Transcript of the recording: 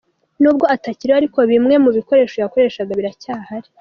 Nubwo atakiriho ariko bimwe mu bikoresho yakoreshaga biracyahari.